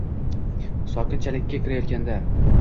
Sokin chakalakka kirayotganda